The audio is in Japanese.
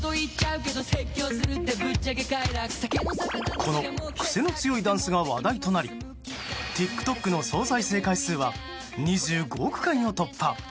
この癖の強いダンスが話題となりＴｉｋＴｏｋの総再生回数は２５億回を突破。